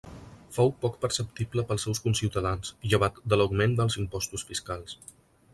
Fou poc perceptible pels seus conciutadans, llevat de l'augment dels impostos fiscals.